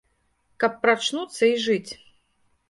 Каб прачнуцца і жыць.